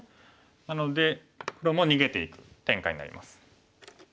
なので黒も逃げていく展開になります。